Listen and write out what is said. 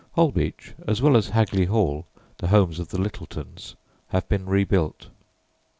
Holbeach as well as Hagley Hall, the homes of the Litteltons, have been rebuilt.